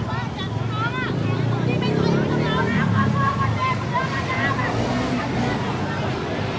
รถน้ำขยับเข้ามาแล้วนะครับ